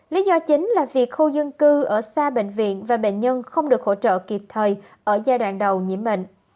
lý do chính là việc khu dân cư ở xa bệnh viện và bệnh nhân không được hỗ trợ kịp thời ở giai đoạn đầu nhiễm bệnh